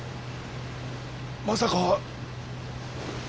まさか。